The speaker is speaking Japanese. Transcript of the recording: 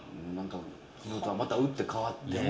また打って変わって。